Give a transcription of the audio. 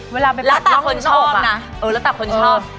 เวลาไปตัดรองคือชอบอะกาวแล้วก็ตอบคนชอบนะแล้วตอบคนชอบ